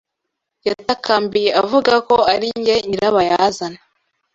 Yatakambiye avuga ko ari njye nyirabayazana.